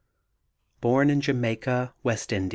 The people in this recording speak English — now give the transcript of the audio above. Born in Jamaica, West Indies, 1889.